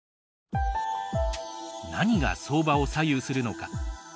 何が相場を左右するのか。